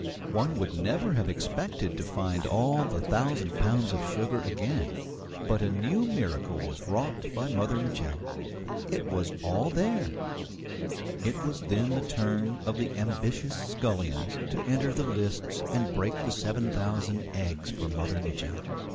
One would never have expected to find all the thousand pounds of sugar again. But a new miracle was wrought by Mother Mitchel. It was all there! It was then the turn of the ambitious scullions to enter the lists and break the seven thousand eggs for Mother Mitchel.